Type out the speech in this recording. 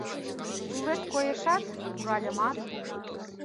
Тулет коешат — пуральымат